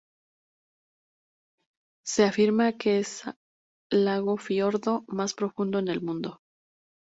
Se afirma que es el lago fiordo más profundo en el mundo.